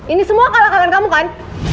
ini semua kalahkanan kamu kan